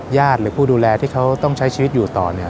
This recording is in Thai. ญาติหรือผู้ดูแลที่เขาต้องใช้ชีวิตอยู่ต่อ